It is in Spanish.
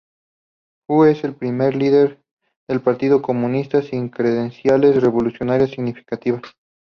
Hu es el primer líder del Partido Comunista, sin credenciales revolucionarias significativas.